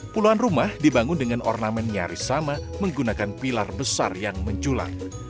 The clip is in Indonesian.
puluhan rumah dibangun dengan ornamen nyaris sama menggunakan pilar besar yang menculang